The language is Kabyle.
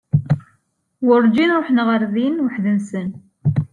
Werǧin ruḥen ɣer din uḥd-nsen.